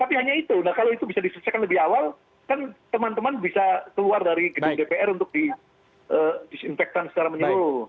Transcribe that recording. tapi hanya itu nah kalau itu bisa diselesaikan lebih awal kan teman teman bisa keluar dari gedung dpr untuk disinfektan secara menyeluruh